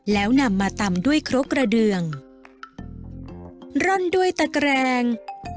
แล้วนำมาตำด้วยครกกระเดืองร่อนด้วยตะแกรง